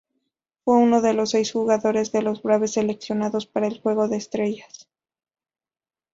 Fue uno de seis jugadores de los Braves seleccionados para el Juego de Estrellas.